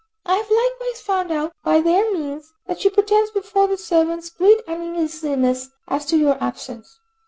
I have likewise found out by their means, that she pretends before the servants great uneasiness as to your absence.